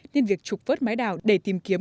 nên việc trục vớt máy đào để tìm kiếm